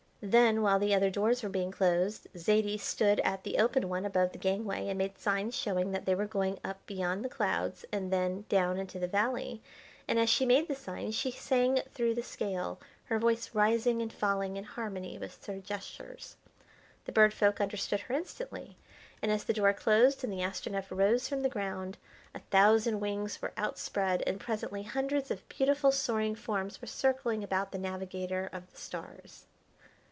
Then, while the other doors were being closed, Zaidie stood at the open one above the gangway and made signs showing that they were going up beyond the clouds and then down into the valley, and as she made the signs she sang through the scale, her voice rising and falling in harmony with her gestures. The Bird Folk understood her instantly, and as the door closed and the Astronef rose from the ground, a thousand wings were outspread and presently hundreds of beautiful soaring forms were circling about the Navigator of the Stars.